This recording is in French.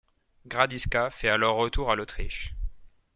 Gradisca fait alors retour à l'Autriche.